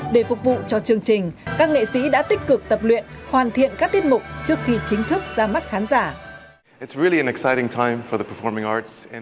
để phục vụ cho chương trình các nghệ sĩ đã tích cực tập luyện hoàn thiện các tiết mục trước khi chính thức ra mắt khán giả